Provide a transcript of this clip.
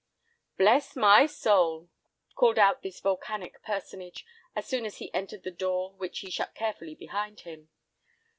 "Bless my soul!" called out this volcanic personage, as soon as he entered the door which he shut carefully behind him.